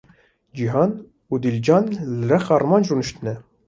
Cîhan û Dilcan li rex Armanc rûniştine.